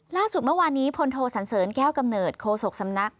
ล่าสุดเมื่อวานนี้พลโทสันเสริญแก้วกำเนิดโคศกสำนัก